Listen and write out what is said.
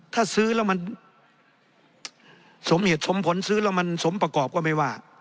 ถ้าซื้อแล้วมันสมเหตุสมผลซื้อแล้วมันสมประกอบก็ไม่ว่า